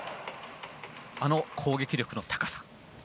あの攻撃力の高さ。